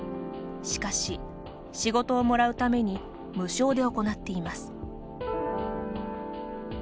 しかし、仕事をもらうために無償で行っています。